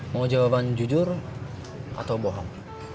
mau jawaban jujur atau bohong